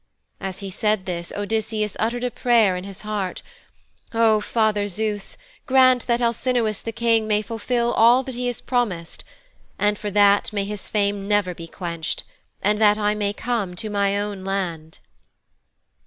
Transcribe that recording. As he said this Odysseus uttered a prayer in his heart, 'O Father Zeus, grant that Alcinous the King may fulfil all that he has promised and for that may his fame never be quenched and that I may come to my own land.'